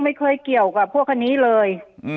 ไม่เคยเกี่ยวกับพวกคันนี้เลย